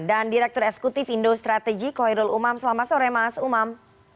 dan direktur esekutif indo strategy koirul umam selamat sore mas umam